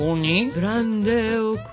ブランデーか。